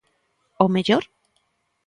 O mellor?